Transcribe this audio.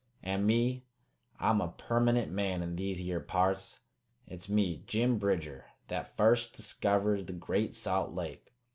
And me, I'm a permanent man in these yere parts. It's me, Jim Bridger, that fust diskivered the Great Salt Lake.